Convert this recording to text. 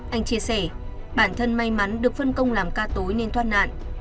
anh chia sẻ bản thân may mắn được phân công làm ca tối nên thoát nạn